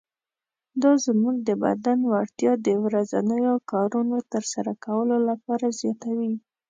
دا زموږ د بدن وړتیا د ورځنیو کارونو تر سره کولو لپاره زیاتوي.